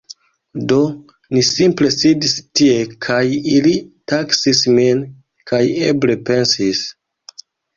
Do ni simple sidis tie kaj ili taksis min, kaj eble pensis: